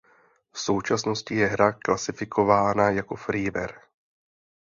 V současnosti je hra klasifikována jako freeware.